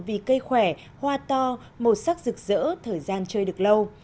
vì cây khỏe hoa to màu sắc rực rỡ thời gian chơi được lâu